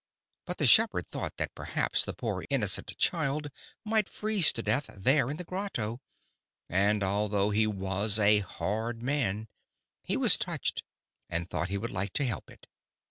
"But the shepherd thought that perhaps the poor innocent child might freeze to death there in the grotto; and, although he was a hard man, he was touched, and thought he would like to help it.